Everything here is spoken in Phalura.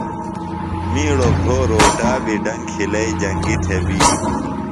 می ڑوۡ بھرو روٹا بی ڈنگ کِھلئی جنگیۡ تھےۡ بی